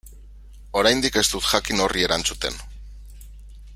Oraindik ez dut jakin horri erantzuten.